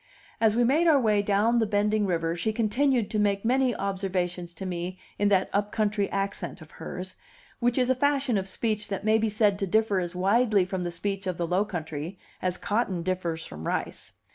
As we made our way down the bending river she continued to make many observations to me in that up country accent of hers, which is a fashion of speech that may be said to differ as widely from the speech of the low country as cotton differs from rice.